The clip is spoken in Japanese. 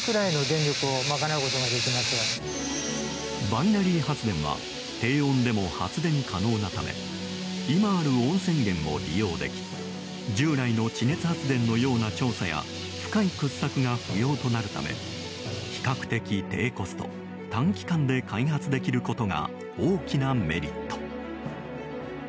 バイナリー発電は低温でも発電可能なため今ある温泉源を利用でき従来の地熱発電のような調査や深い掘削が不要となるため比較的低コスト、短期間で開発できることが大きなメリット。